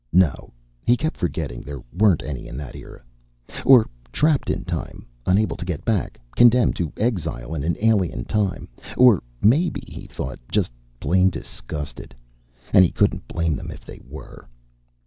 No, he kept forgetting there weren't any in that era. Or trapped in time, unable to get back, condemned to exile in an alien time. Or maybe, he thought, just plain disgusted. And he couldn't blame them if they were.